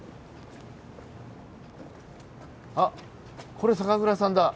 これ酒蔵さんだ